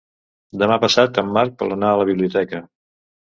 Demà passat en Marc vol anar a la biblioteca.